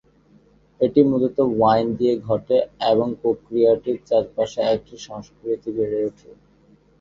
এটি মূলত ওয়াইন দিয়ে ঘটে এবং প্রক্রিয়াটির চারপাশে একটি সংস্কৃতি বেড়ে ওঠে।